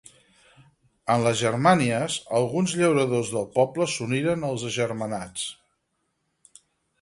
En les Germanies, alguns llauradors del poble s'uniren als agermanats.